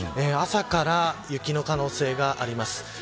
朝から雪の可能性があります。